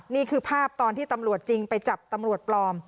นี่คือภาพตอนที่ตำรวจจริงไปจับตำรวจปลอม